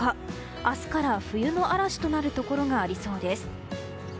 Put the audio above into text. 明日から冬の嵐となるところがありそうです。